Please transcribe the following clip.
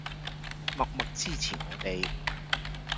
默默支持我哋